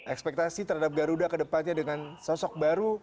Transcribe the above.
ekspektasi terhadap garuda ke depannya dengan sosok baru